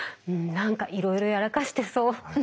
何かいろいろやらかしてそう。